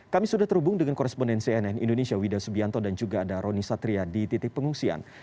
kami sudah terhubung dengan koresponden cnn indonesia wida subianto dan juga ada roni satria di titik pengungsian